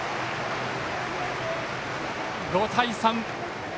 ５対３。